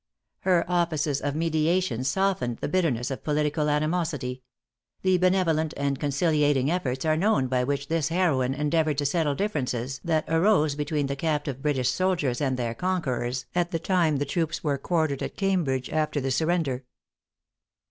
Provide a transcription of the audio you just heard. Her offices of mediation softened the bitterness of political animosity. The benevolent and conciliating efforts are known by which this heroine endeavored to settle differences that arose between the captive British soldiers and their conquerors, at the time the troops were quartered at Cambridge after the surrender.